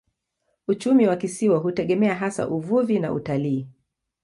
Uchumi wa kisiwa hutegemea hasa uvuvi na utalii.